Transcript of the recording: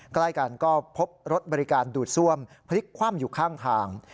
ใกล้กันก็พบรถบริการดูดซ่วมพลิกคว่ำอยู่ข้างทาง